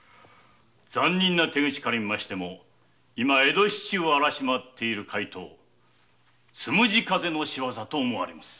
残忍な手口から見ましても今江戸市中を荒らし回っている怪盗「つむじ風」の仕業と思われます。